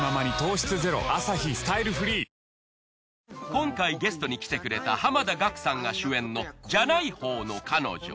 今回ゲストに来てくれた濱田岳さんが主演の『じゃない方の彼女』。